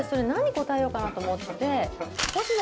答えようかなと思ってて。